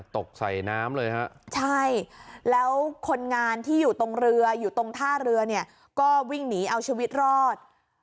ตกใส่น้ำเลยฮะใช่แล้วคนงานที่อยู่ตรงเรืออยู่ตรงท่าเรือเนี่ยก็วิ่งหนีเอาชีวิตรอด